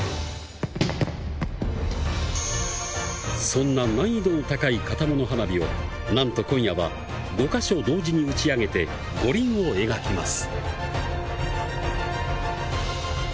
そんな難易度の高い型物花火をなんと今夜は５か所同時に打ち上げて、五輪を描きます。